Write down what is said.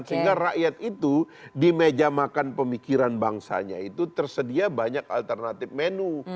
sehingga rakyat itu di meja makan pemikiran bangsanya itu tersedia banyak alternatif menu